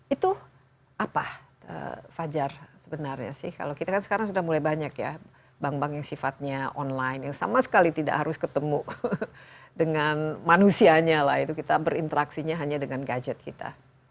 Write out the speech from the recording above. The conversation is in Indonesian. itu apa fajar sebenarnya sih kalau kita kan sekarang sudah mulai banyak ya bank bank yang sifatnya online yang sama sekali tidak harus ketemu dengan manusianya lah itu kita berinteraksinya hanya dengan gadget kita